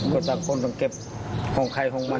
ก็ต่างคนต้องเก็บของใครของมัน